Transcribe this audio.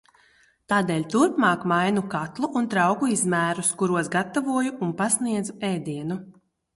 Tādēļ turpmāk mainu katlu un trauku izmērus, kuros gatavoju un pasniedzu ēdienu.